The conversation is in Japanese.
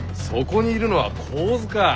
そこにいるのは神頭か。